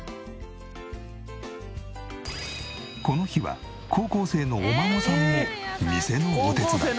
この日は高校生のお孫さんも店のお手伝い。